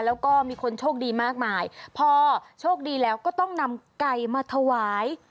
แล้วก็มีคนโชคดีมากมายพอโชคดีแล้วก็ต้องนำไก่มาถวาย